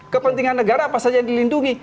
kepentingan negara apa saja yang dilindungi